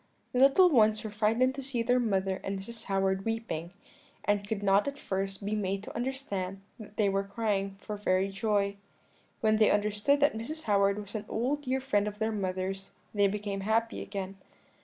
"The little ones were frightened to see their mother and Mrs. Howard weeping, and could not at first be made to understand that they were crying for very joy. When they understood that Mrs. Howard was an old dear friend of their mother's, they became happy again.